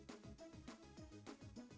aku ngantuk banget